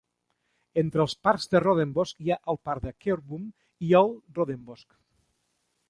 Entre els parcs de Rondebosch hi ha el parc Keurboom i el Rondebosch.